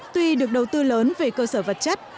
tuy được đầu tư lớn về cơ sở vật chất